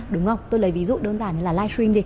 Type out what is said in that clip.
đúng không tôi lấy ví dụ đơn giản như là live stream